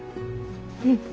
うん。